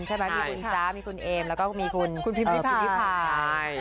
มีคุณจ๊ะมีคุณเอ็มแล้วมีคุณพิพิพาค